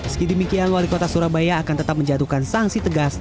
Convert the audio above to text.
sekidemikian wali kota surabaya akan tetap menjatuhkan sanksi tegas